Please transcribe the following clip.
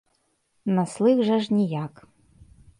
На слых жа ж ніяк.